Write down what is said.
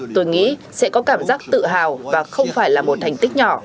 tôi nghĩ sẽ có cảm giác tự hào và không phải là một thành tích nhỏ